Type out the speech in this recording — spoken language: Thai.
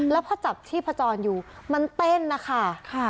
แล้วพอจับชีพจรอยู่มันเต้นนะคะ